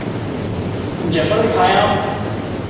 جبل ٺاهيان